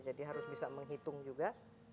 jadi harus bisa menghitung juga